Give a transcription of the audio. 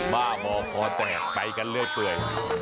บ้าหมอพอแตกไปกันเลือดเปลือย